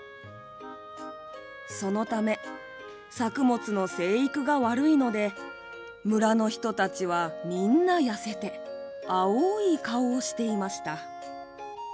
そのため作物の生育が悪いので村の人たちは、みんな痩せて青い顔をしていました。